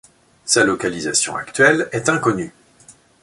Sa localisation actuelle est inconnue.